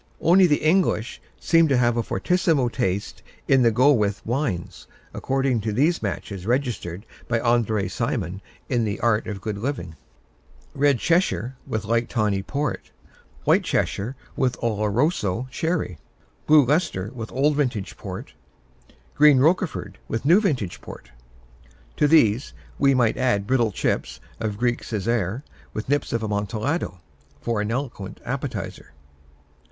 Only the English seem to have a fortissimo taste in the go with wines, according to these matches registered by André Simon in The Art of Good Living: Red Cheshire with Light Tawny Port White Cheshire with Oloroso Sherry Blue Leicester with Old Vintage Port Green Roquefort with New Vintage Port To these we might add brittle chips of Greek Casere with nips of Amontillado, for an eloquent appetizer.